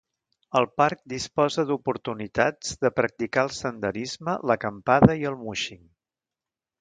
El parc disposa d'oportunitats de practicar el senderisme, l'acampada i el múixing.